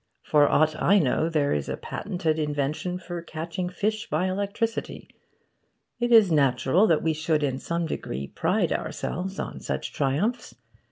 For aught I know, there is a patented invention for catching fish by electricity. It is natural that we should, in some degree, pride ourselves on such triumphs.